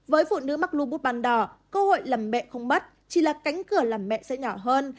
với phụ nữ mắc lũ bút ban đảo cơ hội làm mẹ không mất chỉ là cánh cửa làm mẹ sẽ nhỏ hơn